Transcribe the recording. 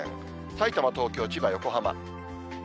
さいたま、東京、千葉、横浜。